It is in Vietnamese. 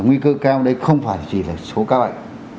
nguy cơ cao đây không phải chỉ là số ca bệnh